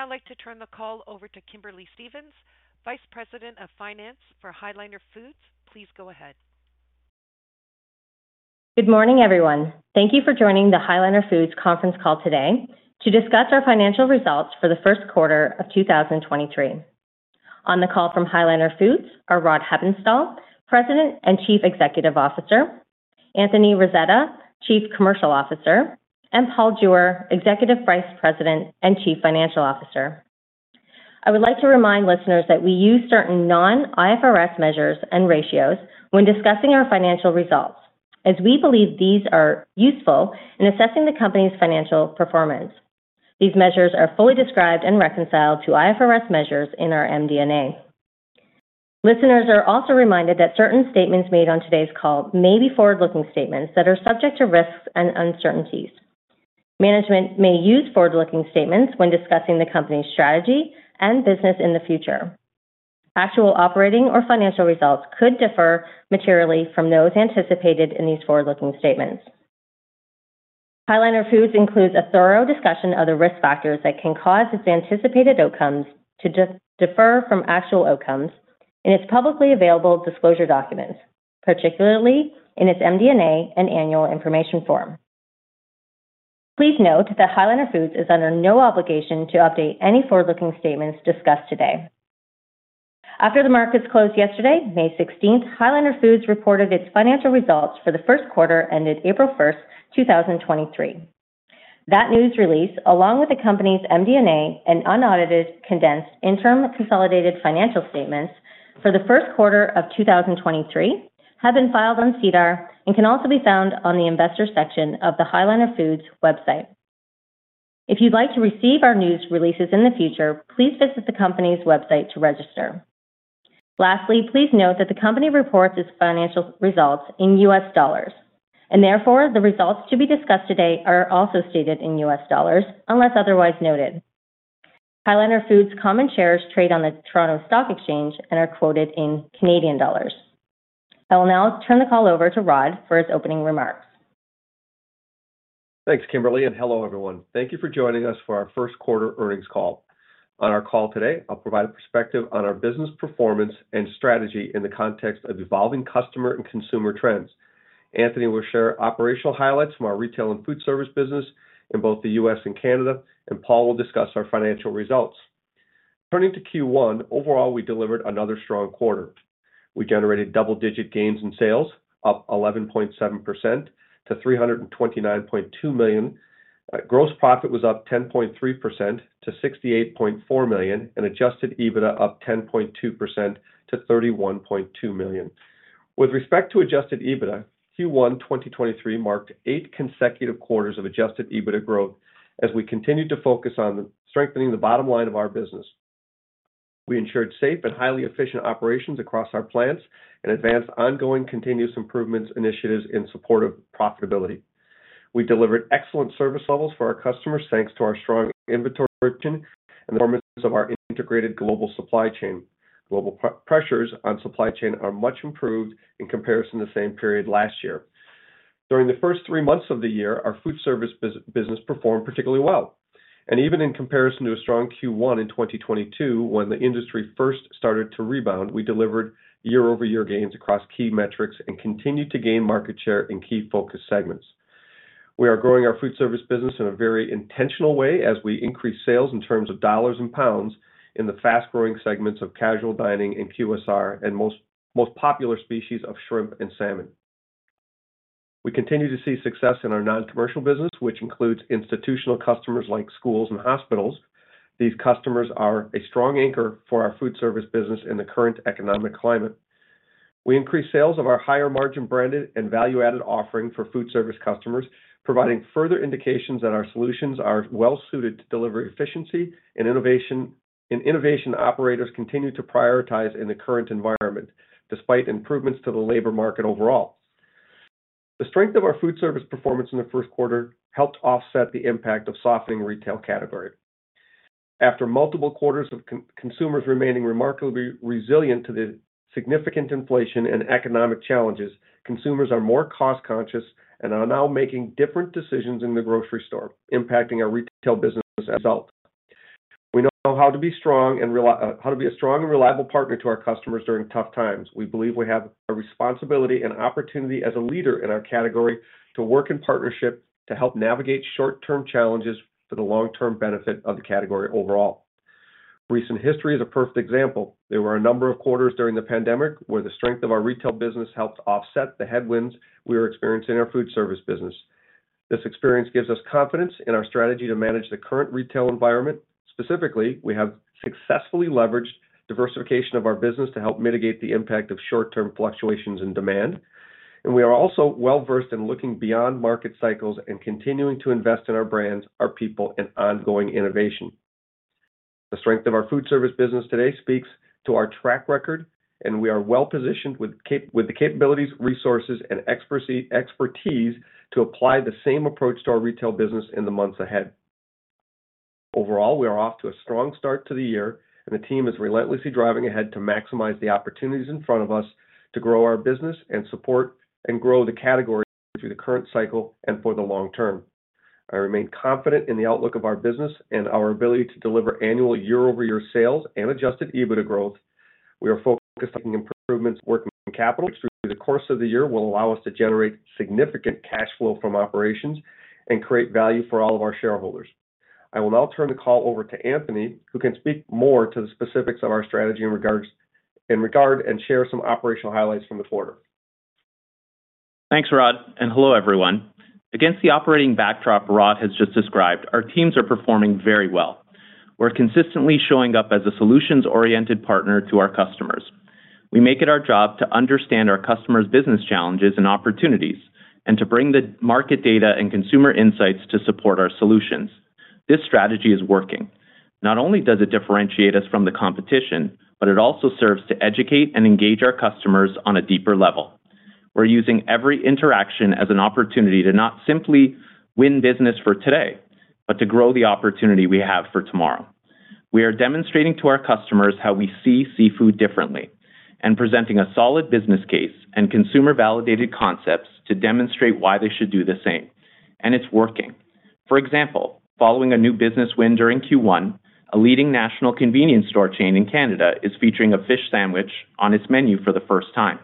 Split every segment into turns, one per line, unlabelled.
I'd like to turn the call over to Kimberly Stephens, Vice President of Finance for High Liner Foods. Please go ahead.
Good morning, everyone. Thank you for joining the High Liner Foods conference call today to discuss our financial results for the first quarter of 2023. On the call from High Liner Foods are Rod Hepponstall, President and Chief Executive Officer, Anthony Rasetta, Chief Commercial Officer, and Paul Jewer, Executive Vice President and Chief Financial Officer. I would like to remind listeners that we use certain non-IFRS measures and ratios when discussing our financial results, as we believe these are useful in assessing the company's financial performance. These measures are fully described and reconciled to IFRS measures in our MD&A. Listeners are also reminded that certain statements made on today's call may be forward-looking statements that are subject to risks and uncertainties. Management may use forward-looking statements when discussing the company's strategy and business in the future. Actual operating or financial results could differ materially from those anticipated in these forward-looking statements. High Liner Foods includes a thorough discussion of the risk factors that can cause its anticipated outcomes to differ from actual outcomes in its publicly available disclosure documents, particularly in its MD&A and Annual Information Form. Please note that High Liner Foods is under no obligation to update any forward-looking statements discussed today. After the markets closed yesterday, May 16th, High Liner Foods reported its financial results for the first quarter ended April 1st, 2023. That news release, along with the company's MD&A and unaudited condensed interim consolidated financial statements for the first quarter of 2023, have been filed on SEDAR and can also be found on the Investors section of the High Liner Foods website. If you'd like to receive our news releases in the future, please visit the company's website to register. Lastly, please note that the company reports its financial results in US dollars, and therefore the results to be discussed today are also stated in US dollars unless otherwise noted. High Liner Foods common shares trade on the Toronto Stock Exchange and are quoted in Canadian dollars. I will now turn the call over to Rod for his opening remarks.
Thanks, Kimberly. Hello, everyone. Thank you for joining us for our first quarter earnings call. On our call today, I'll provide a perspective on our business performance and strategy in the context of evolving customer and consumer trends. Anthony will share operational highlights from our retail and foodservice business in both the U.S. and Canada, and Paul will discuss our financial results. Turning to Q1, overall, we delivered another strong quarter. We generated double-digit gains in sales, up 11.7% to $329.2 million. Gross profit was up 10.3% to $68.4 million, and Adjusted EBITDA up 10.2% to $31.2 million. With respect to Adjusted EBITDA, Q1 2023 marked eight consecutive quarters of Adjusted EBITDA growth as we continued to focus on strengthening the bottom line of our business. We ensured safe and highly efficient operations across our plants and advanced ongoing continuous improvements initiatives in support of profitability. We delivered excellent service levels for our customers, thanks to our strong inventory and the performance of our integrated global supply chain. Global pressures on supply chain are much improved in comparison to the same period last year. During the first three months of the year, our foodservice business performed particularly well. Even in comparison to a strong Q1 in 2022, when the industry first started to rebound, we delivered year-over-year gains across key metrics and continued to gain market share in key focus segments. We are growing our foodservice business in a very intentional way as we increase sales in terms of dollars and pounds in the fast-growing segments of casual dining and QSR and most popular species of shrimp and salmon. We continue to see success in our non-commercial business, which includes institutional customers like schools and hospitals. These customers are a strong anchor for our foodservice business in the current economic climate. We increased sales of our higher margin branded and value-added offering for foodservice customers, providing further indications that our solutions are well suited to deliver efficiency and innovation operators continue to prioritize in the current environment, despite improvements to the labor market overall. The strength of our foodservice performance in the first quarter helped offset the impact of softening retail category. After multiple quarters of consumers remaining remarkably resilient to the significant inflation and economic challenges, consumers are more cost-conscious and are now making different decisions in the grocery store, impacting our retail business as a result. We know how to be a strong and reliable partner to our customers during tough times. We believe we have a responsibility and opportunity as a leader in our category to work in partnership to help navigate short-term challenges for the long-term benefit of the category overall. Recent history is a perfect example. There were a number of quarters during the pandemic where the strength of our retail business helped offset the headwinds we were experiencing in our foodservice business. This experience gives us confidence in our strategy to manage the current retail environment. Specifically, we have successfully leveraged diversification of our business to help mitigate the impact of short-term fluctuations in demand, and we are also well-versed in looking beyond market cycles and continuing to invest in our brands, our people, and ongoing innovation. The strength of our foodservice business today speaks to our track record. We are well-positioned with the capabilities, resources, and expertise to apply the same approach to our retail business in the months ahead. Overall, we are off to a strong start to the year. The team is relentlessly driving ahead to maximize the opportunities in front of us to grow our business and support and grow the category through the current cycle and for the long term. I remain confident in the outlook of our business and our ability to deliver annual year-over-year sales and Adjusted EBITDA growth. We are focused on improvements working capital through the course of the year will allow us to generate significant cash flow from operations and create value for all of our shareholders. I will now turn the call over to Anthony, who can speak more to the specifics of our strategy in regard and share some operational highlights from the quarter.
Thanks, Rod, and hello, everyone. Against the operating backdrop Rod has just described, our teams are performing very well. We're consistently showing up as a solutions-oriented partner to our customers. We make it our job to understand our customers' business challenges and opportunities and to bring the market data and consumer insights to support our solutions. This strategy is working. Not only does it differentiate us from the competition, but it also serves to educate and engage our customers on a deeper level. We're using every interaction as an opportunity to not simply win business for today, but to grow the opportunity we have for tomorrow. We are demonstrating to our customers how we see seafood differently and presenting a solid business case and consumer-validated concepts to demonstrate why they should do the same. It's working. For example, following a new business win during Q1, a leading national convenience store chain in Canada is featuring a fish sandwich on its menu for the first time.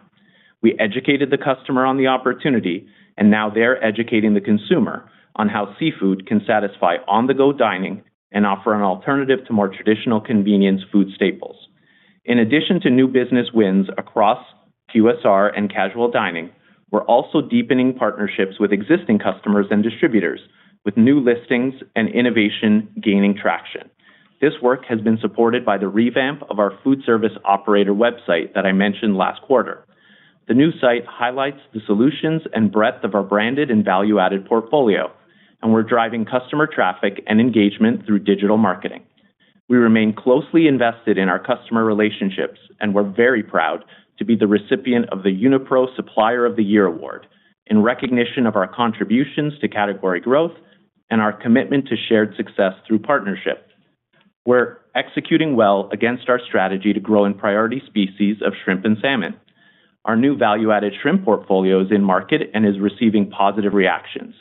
We educated the customer on the opportunity, and now they're educating the consumer on how seafood can satisfy on-the-go dining and offer an alternative to more traditional convenience food staples. In addition to new business wins across QSR and casual dining, we're also deepening partnerships with existing customers and distributors with new listings and innovation gaining traction. This work has been supported by the revamp of our foodservice operator website that I mentioned last quarter. The new site highlights the solutions and breadth of our branded and value-added portfolio, and we're driving customer traffic and engagement through digital marketing. We remain closely invested in our customer relationships, and we're very proud to be the recipient of the UniPro Supplier of the Year award in recognition of our contributions to category growth and our commitment to shared success through partnership. We're executing well against our strategy to grow in priority species of shrimp and salmon. Our new value-added shrimp portfolio is in market and is receiving positive reactions.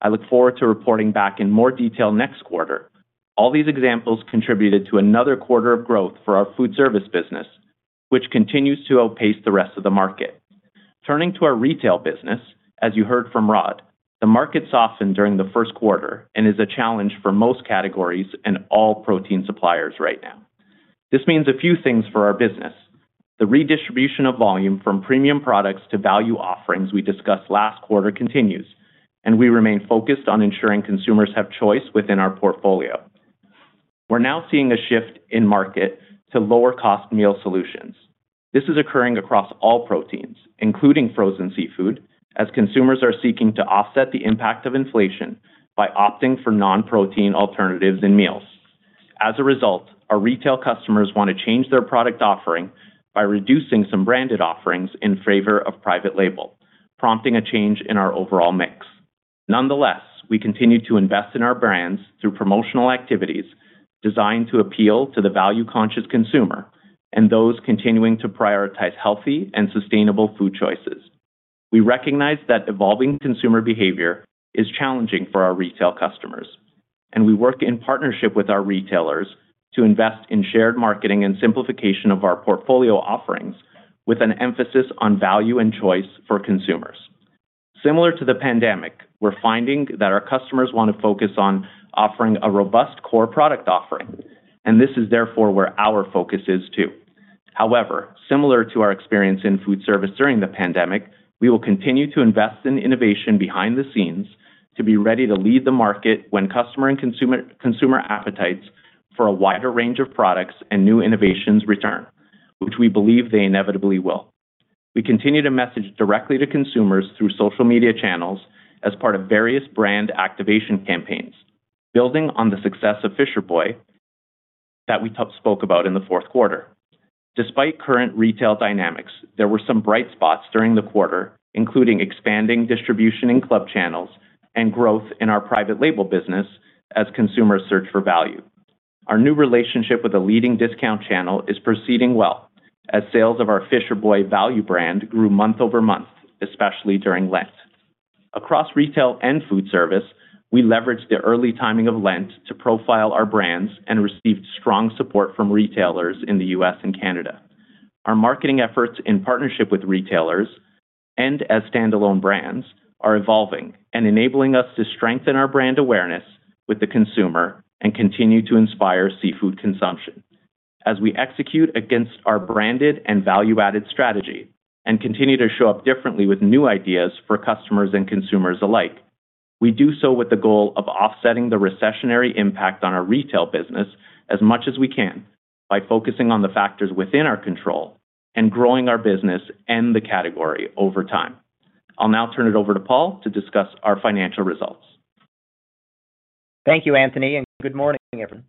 I look forward to reporting back in more detail next quarter. All these examples contributed to another quarter of growth for our foodservice business, which continues to outpace the rest of the market. Turning to our retail business, as you heard from Rod, the market softened during the first quarter and is a challenge for most categories and all protein suppliers right now. This means a few things for our business. The redistribution of volume from premium products to value offerings we discussed last quarter continues, and we remain focused on ensuring consumers have choice within our portfolio. We're now seeing a shift in market to lower-cost meal solutions. This is occurring across all proteins, including frozen seafood, as consumers are seeking to offset the impact of inflation by opting for non-protein alternatives in meals. As a result, our retail customers want to change their product offering by reducing some branded offerings in favor of private label, prompting a change in our overall mix. Nonetheless, we continue to invest in our brands through promotional activities designed to appeal to the value-conscious consumer and those continuing to prioritize healthy and sustainable food choices. We recognize that evolving consumer behavior is challenging for our retail customers, and we work in partnership with our retailers to invest in shared marketing and simplification of our portfolio offerings with an emphasis on value and choice for consumers. Similar to the pandemic, we're finding that our customers wanna focus on offering a robust core product offering, and this is therefore where our focus is too. However, similar to our experience in foodservice during the pandemic, we will continue to invest in innovation behind the scenes to be ready to lead the market when customer and consumer appetites for a wider range of products and new innovations return, which we believe they inevitably will. We continue to message directly to consumers through social media channels as part of various brand activation campaigns, building on the success of Fisher Boy that we spoke about in the fourth quarter. Despite current retail dynamics, there were some bright spots during the quarter, including expanding distribution in club channels and growth in our private label business as consumers search for value. Our new relationship with a leading discount channel is proceeding well as sales of our Fisher Boy value brand grew month-over-month, especially during Lent. Across retail and foodservice, we leveraged the early timing of Lent to profile our brands and received strong support from retailers in the U.S. and Canada. Our marketing efforts in partnership with retailers and as standalone brands are evolving and enabling us to strengthen our brand awareness with the consumer and continue to inspire seafood consumption. As we execute against our branded and value-added strategy and continue to show up differently with new ideas for customers and consumers alike, we do so with the goal of offsetting the recessionary impact on our retail business as much as we can by focusing on the factors within our control and growing our business and the category over time. I'll now turn it over to Paul to discuss our financial results.
Thank you, Anthony, good morning, everyone.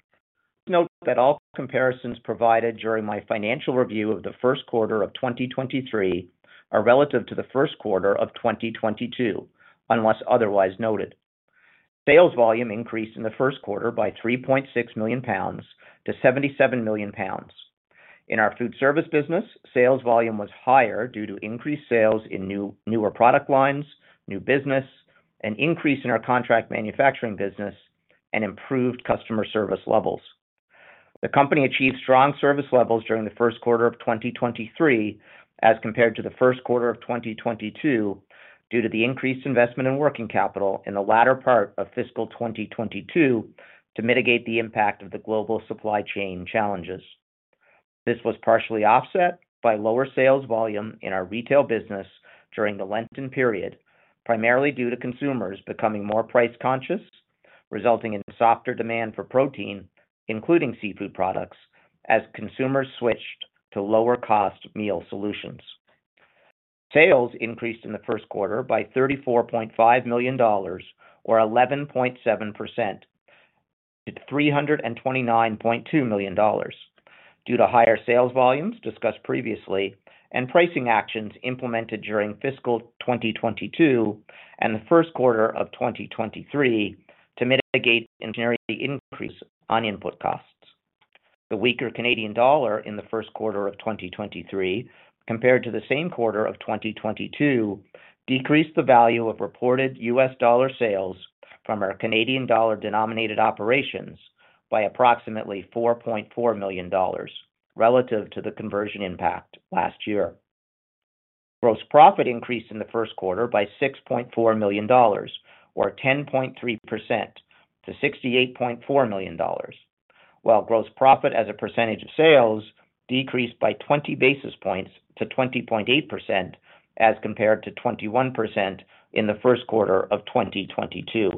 Note that all comparisons provided during my financial review of the first quarter of 2023 are relative to the first quarter of 2022, unless otherwise noted. Sales volume increased in the first quarter by 3.6 million pounds to 77 million pounds. In our foodservice business, sales volume was higher due to increased sales in newer product lines, new business, an increase in our contract manufacturing business, and improved customer service levels. The company achieved strong service levels during the first quarter of 2023 as compared to the first quarter of 2022 due to the increased investment in working capital in the latter part of fiscal 2022 to mitigate the impact of the global supply chain challenges. This was partially offset by lower sales volume in our retail business during the Lenten period, primarily due to consumers becoming more price conscious, resulting in softer demand for protein, including seafood products, as consumers switched to lower cost meal solutions. Sales increased in the first quarter by $34.5 million, or 11.7% to $329.2 million due to higher sales volumes discussed previously and pricing actions implemented during fiscal 2022 and the first quarter of 2023 to mitigate engineering increases on input costs. The weaker Canadian dollar in the first quarter of 2023 compared to the same quarter of 2022 decreased the value of reported US dollar sales from our Canadian dollar denominated operations by approximately $4.4 million relative to the conversion impact last year. Gross profit increased in the first quarter by $6.4 million, or 10.3% to $68.4 million. While gross profit as a percentage of sales decreased by 20 basis points to 20.8% as compared to 21% in the first quarter of 2022.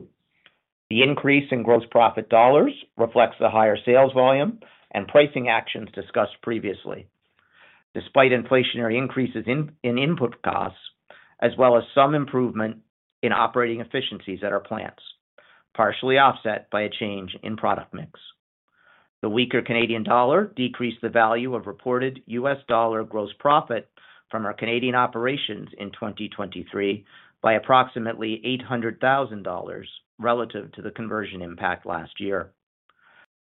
The increase in gross profit dollars reflects the higher sales volume and pricing actions discussed previously. Despite inflationary increases in input costs as well as some improvement in operating efficiencies at our plants, partially offset by a change in product mix. The weaker Canadian dollar decreased the value of reported US dollar gross profit from our Canadian operations in 2023 by approximately $800,000 relative to the conversion impact last year.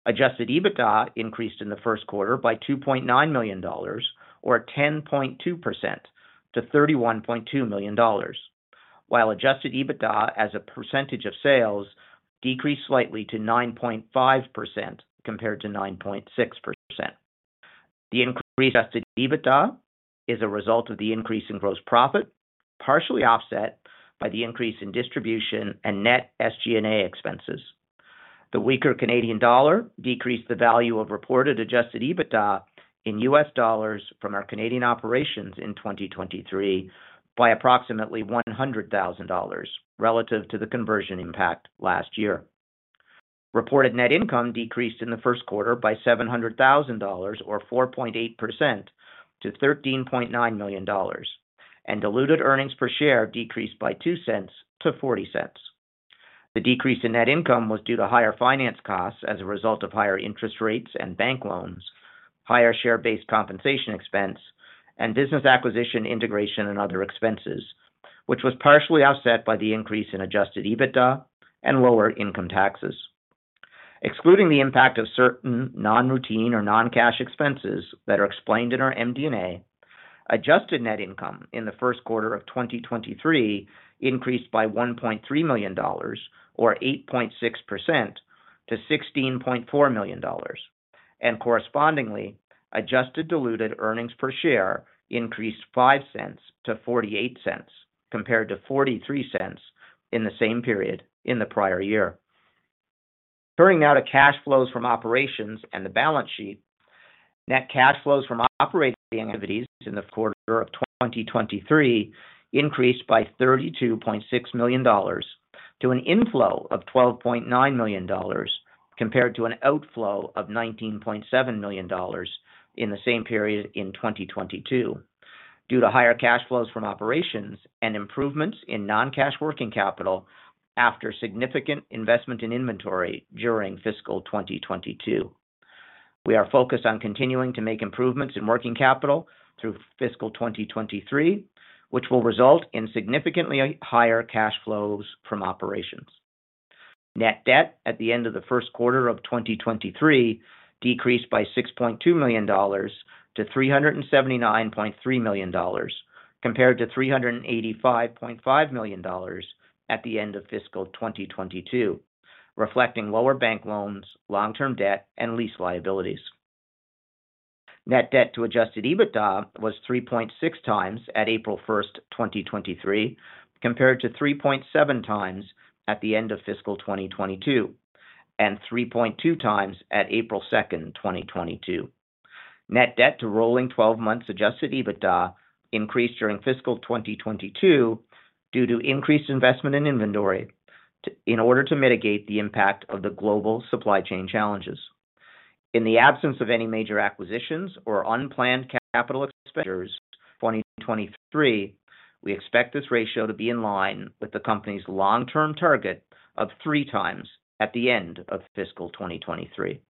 Adjusted EBITDA increased in the first quarter by $2.9 million or 10.2% to $31.2 million. While Adjusted EBITDA as a percentage of sales decreased slightly to 9.5% compared to 9.6%. The increase Adjusted EBITDA is a result of the increase in gross profit, partially offset by the increase in distribution and net SG&A expenses. The weaker Canadian dollar decreased the value of reported Adjusted EBITDA in US dollars from our Canadian operations in 2023 by approximately $100,000 relative to the conversion impact last year. Reported net income decreased in the first quarter by $700,000 or 4.8% to $13.9 million, and diluted earnings per share decreased by $0.02 to $0.40. The decrease in net income was due to higher finance costs as a result of higher interest rates and bank loans, higher share-based compensation expense and business acquisition integration and other expenses, which was partially offset by the increase in Adjusted EBITDA and lower income taxes. Excluding the impact of certain non-routine or non-cash expenses that are explained in our MD&A, adjusted net income in the first quarter of 2023 increased by $1.3 million or 8.6% to $16.4 million, and correspondingly adjusted diluted earnings per share increased $0.05 to $0.48 compared to $0.43 in the same period in the prior year. Turning now to cash flows from operations and the balance sheet. Net cash flows from operating activities in the quarter of 2023 increased by $32.6 million to an inflow of $12.9 million compared to an outflow of $19.7 million in the same period in 2022 due to higher cash flows from operations and improvements in non-cash working capital after significant investment in inventory during fiscal 2022. We are focused on continuing to make improvements in working capital through fiscal 2023, which will result in significantly higher cash flows from operations. Net debt at the end of the first quarter of 2023 decreased by $6.2 million to $379.3 million compared to $385.5 million at the end of fiscal 2022, reflecting lower bank loans, long-term debt and lease liabilities. Net debt to Adjusted EBITDA was 3.6 times at April 1st, 2023 compared to 3.7 times at the end of fiscal 2022 and 3.2 times at April 2nd, 2022. Net debt to rolling 12 months Adjusted EBITDA increased during fiscal 2022 due to increased investment in inventory in order to mitigate the impact of the global supply chain challenges. In the absence of any major acquisitions or unplanned capital expenditures in 2023, we expect this ratio to be in line with the company's long-term target of three times at the end of fiscal 2023.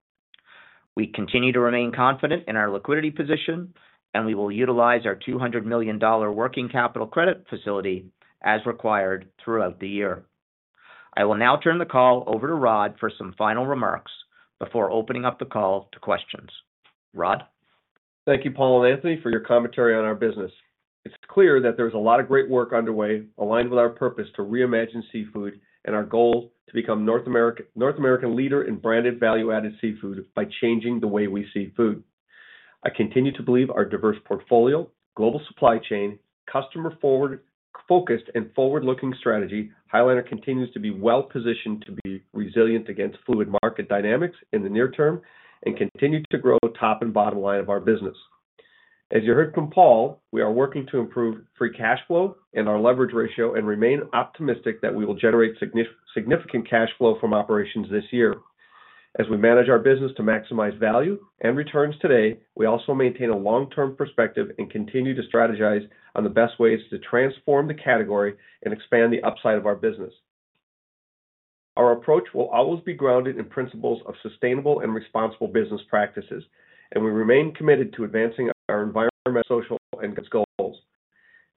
We continue to remain confident in our liquidity position, and we will utilize our $200 million working capital credit facility as required throughout the year. I will now turn the call over to Rod for some final remarks before opening up the call to questions. Rod?
Thank you, Paul and Anthony, for your commentary on our business. It's clear that there's a lot of great work underway aligned with our purpose to reimagine seafood and our goal to become North American leader in branded value-added seafood by changing the way we see food. I continue to believe our diverse portfolio, global supply chain, customer forward-focused, and forward-looking strategy, High Liner continues to be well positioned to be resilient against fluid market dynamics in the near term and continue to grow top and bottom line of our business. As you heard from Paul, we are working to improve free cash flow and our leverage ratio and remain optimistic that we will generate significant cash flow from operations this year. As we manage our business to maximize value and returns today, we also maintain a long-term perspective and continue to strategize on the best ways to transform the category and expand the upside of our business. Our approach will always be grounded in principles of sustainable and responsible business practices, and we remain committed to advancing our environmental, social, and goals.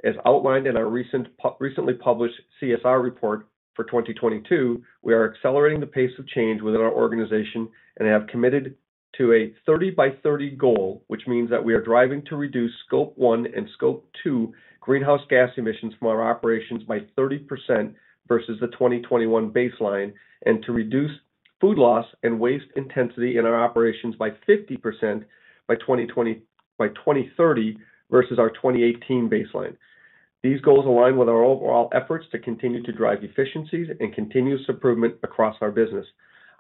As outlined in our recently published CSR report for 2022, we are accelerating the pace of change within our organization and have committed to a 30 by 30 goal, which means that we are driving to reduce Scope 1 and Scope 2 greenhouse gas emissions from our operations by 30% versus the 2021 baseline, and to reduce food loss and waste intensity in our operations by 50% by 2030 versus our 2018 baseline. These goals align with our overall efforts to continue to drive efficiencies and continuous improvement across our business.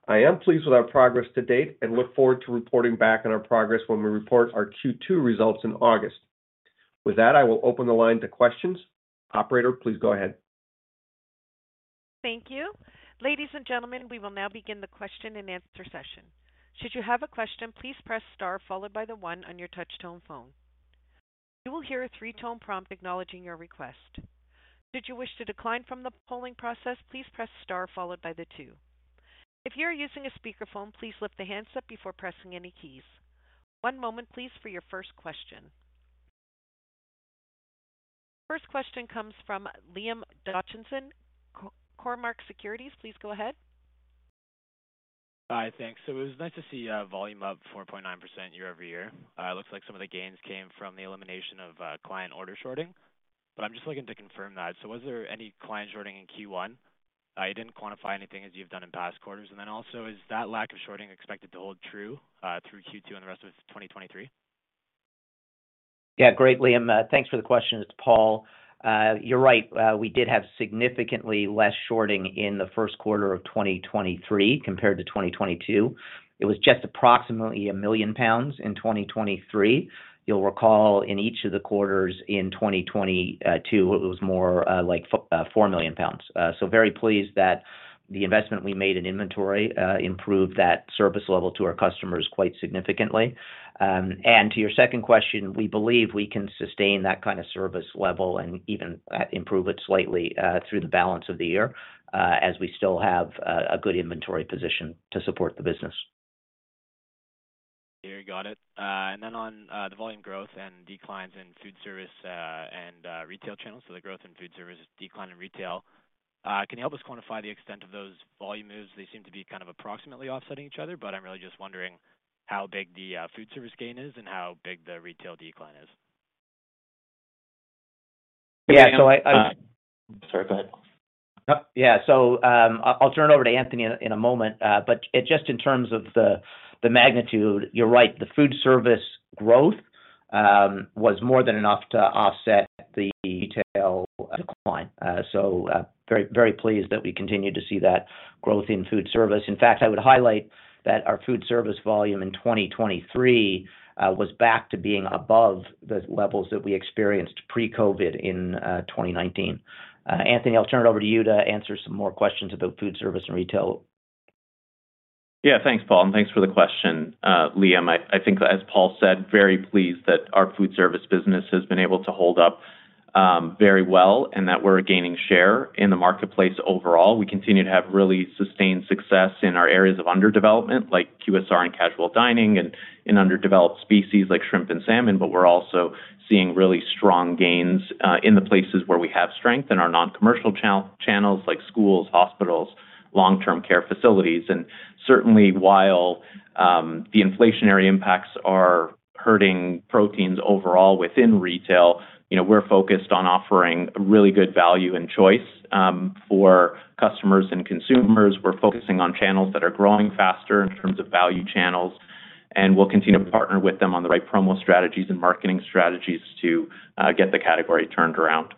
I am pleased with our progress to date and look forward to reporting back on our progress when we report our Q2 results in August. With that, I will open the line to questions. Operator, please go ahead.
Thank you. Ladies and gentlemen, we will now begin the question and answer session. Should you have a question, please press star followed by the one on your touch tone phone. You will hear a three-tone prompt acknowledging your request. Should you wish to decline from the polling process, please press star followed by the two. If you are using a speakerphone, please lift the handset before pressing any keys. One moment please for your first question. First question comes from Liam Dotchison, Cormark Securities. Please go ahead.
Hi. Thanks. It was nice to see volume up 4.9% year-over-year. It looks like some of the gains came from the elimination of client order shorting, but I'm just looking to confirm that. Was there any client shorting in Q1? You didn't quantify anything as you've done in past quarters. Is that lack of shorting expected to hold true through Q2 and the rest of 2023?
Yeah. Great, Liam. Thanks for the question. It's Paul. You're right. We did have significantly less shorting in the first quarter of 2023 compared to 2022. It was just approximately 1 million pounds in 2023. You'll recall in each of the quarters in 2022, it was more, like 4 million pounds. Very pleased that the investment we made in inventory, improved that service level to our customers quite significantly. To your second question, we believe we can sustain that kind of service level and even, improve it slightly, through the balance of the year, as we still have a good inventory position to support the business.
Yeah. Got it. On the volume growth and declines in foodservice, and retail channels. The growth in foodservice, decline in retail, can you help us quantify the extent of those volume moves? They seem to be kind of approximately offsetting each other, but I'm really just wondering how big the foodservice gain is and how big the retail decline is.
Yeah.
Sorry, go ahead.
Yeah. I'll turn it over to Anthony in a moment. Just in terms of the magnitude, you're right. The foodservice growth was more than enough to offset the retail decline. Very, very pleased that we continue to see that growth in foodservice. In fact, I would highlight that our foodservice volume in 2023 was back to being above the levels that we experienced pre-COVID in 2019. Anthony, I'll turn it over to you to answer some more questions about foodservice and retail.
Thanks, Paul, and thanks for the question, Liam. I think as Paul said, very pleased that our foodservice business has been able to hold up very well and that we're gaining share in the marketplace overall. We continue to have really sustained success in our areas of underdevelopment, like QSR and casual dining and in underdeveloped species like shrimp and salmon. We're also seeing really strong gains in the places where we have strength in our non-commercial channels like schools, hospitals, long-term care facilities. Certainly while the inflationary impacts are hurting proteins overall within retail, you know, we're focused on offering really good value and choice for customers and consumers. We're focusing on channels that are growing faster in terms of value channels. We'll continue to partner with them on the right promo strategies and marketing strategies to get the category turned around.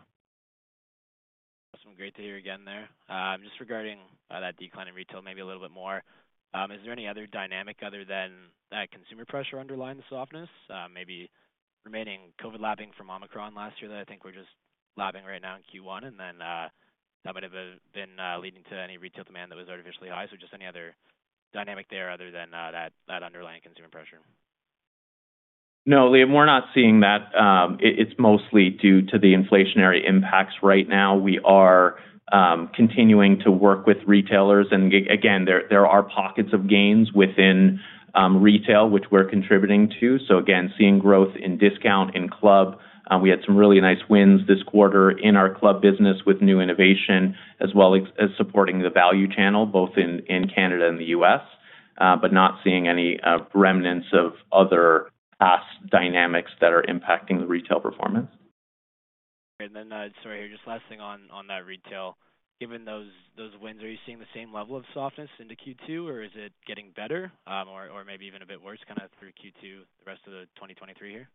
Awesome. Great to hear again there. Just regarding that decline in retail, maybe a little bit more, is there any other dynamic other than that consumer pressure underlying the softness? Maybe remaining COVID lapping from Omicron last year that I think we're just lapping right now in Q1, and then that might have been leading to any retail demand that was artificially high. Just any other dynamic there other than that underlying consumer pressure?
No, we're not seeing that. It's mostly due to the inflationary impacts right now. We are continuing to work with retailers and again, there are pockets of gains within retail, which we're contributing to. Again, seeing growth in discount, in club, we had some really nice wins this quarter in our club business with new innovation, as well as supporting the value channel both in Canada and the U.S. Not seeing any remnants of other past dynamics that are impacting the retail performance.
Sorry, just last thing on that retail. Given those wins, are you seeing the same level of softness into Q2, or is it getting better, or maybe even a bit worse kinda through Q2, the rest of the 2023 year?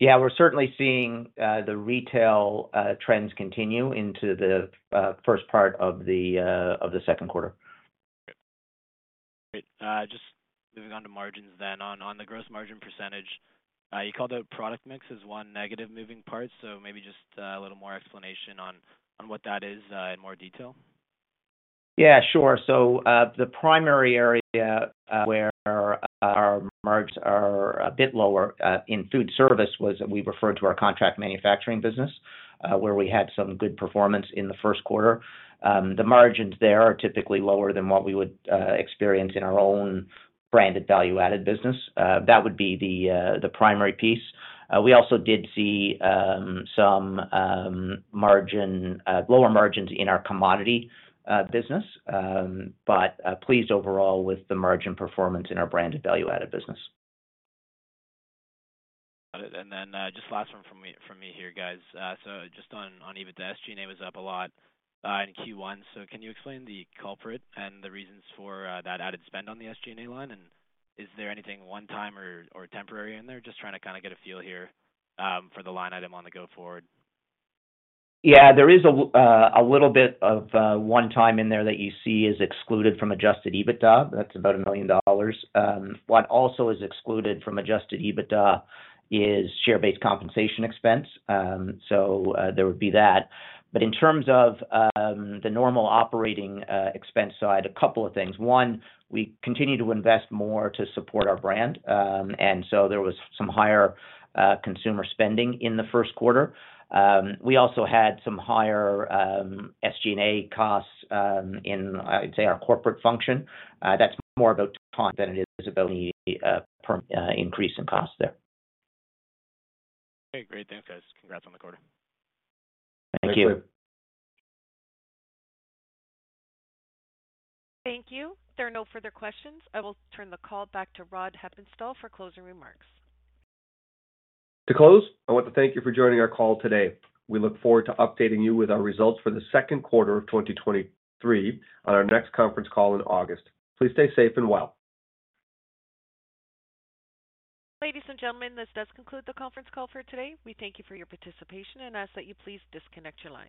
We're certainly seeing the retail trends continue into the first part of the second quarter.
Great. Just moving on to margins then. On the gross margin percentage, you called out product mix as one negative moving part, so maybe just a little more explanation on what that is, in more detail.
Yeah, sure. The primary area where our margins are a bit lower in foodservice was, we refer to our contract manufacturing business, where we had some good performance in the first quarter. The margins there are typically lower than what we would experience in our own branded value-added business. That would be the primary piece. We also did see some lower margins in our commodity business. Pleased overall with the margin performance in our branded value-added business.
Got it. Just last one from me here, guys. Just on the SG&A was up a lot in Q1. Can you explain the culprit and the reasons for that added spend on the SG&A line? Is there anything one-time or temporary in there? Just trying to kinda get a feel here for the line item on the go forward.
There is a little bit of one-time in there that you see is excluded from Adjusted EBITDA. That's about $1 million. What also is excluded from Adjusted EBITDA is share-based compensation expense. There would be that. In terms of the normal operating expense side, a couple of things. One, we continue to invest more to support our brand. There was some higher consumer spending in the first quarter. We also had some higher SG&A costs in, I'd say, our corporate function. That's more about time than it is about any increase in cost there.
Okay, great. Thanks, guys. Congrats on the quarter.
Thank you.
Thank you. If there are no further questions, I will turn the call back to Rod Hepponstall for closing remarks.
To close, I want to thank you for joining our call today. We look forward to updating you with our results for the second quarter of 2023 on our next conference call in August. Please stay safe and well.
Ladies and gentlemen, this does conclude the conference call for today. We thank you for your participation and ask that you please disconnect your lines.